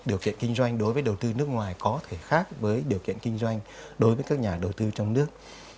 điều kiện kinh doanh đối với đầu tư nước ngoài có thể khác với điều kiện kinh doanh đối với các nhà đầu tư trong nước